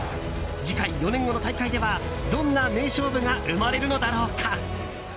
次回、４年後の大会ではどんな名勝負が生まれるのだろうか。